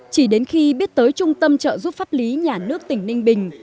chỉ đến khi biết tới trung tâm trợ giúp pháp lý nhà nước tỉnh ninh bình